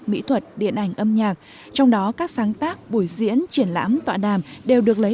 mỹ thuật điện ảnh âm nhạc trong đó các sáng tác buổi diễn triển lãm tọa đàm đều được lấy